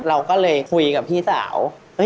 เราก็เลยคุยกับพี่สาว